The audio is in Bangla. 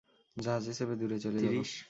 জাহাজে চেপে দূরে চলে যাবো?